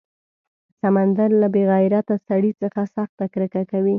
سمندر له بې غیرته سړي څخه سخته کرکه کوي.